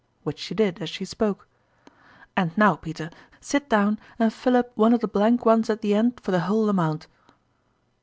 Which she did as she spoke. u And now, Peter, sit down and fill up one of the blank ones at the end for the whole amount."